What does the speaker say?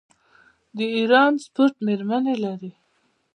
د ایران سپورټ میرمنې لري.